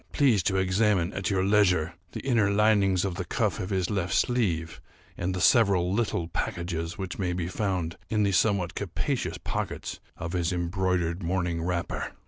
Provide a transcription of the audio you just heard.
Please to examine, at your leisure, the inner linings of the cuff of his left sleeve, and the several little packages which may be found in the somewhat capacious pockets of his embroidered morning wrapper."